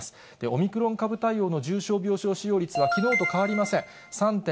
オミクロン株対応の重症病床使用率はきのうと変わりません。